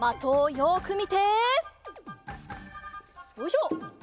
よいしょ。